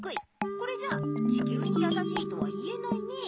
これじゃ「地きゅうにやさしい」とは言えないね。